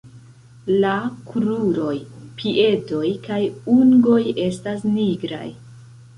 La kruroj, piedoj kaj ungoj estas nigraj.